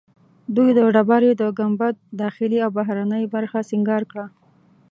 دوی د ډبرې د ګنبد داخلي او بهرنۍ برخه سنګار کړه.